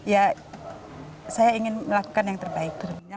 ya saya ingin melakukan yang terbaik